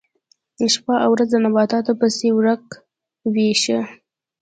شپه او ورځ نباتاتو پسې ورک وي ښه.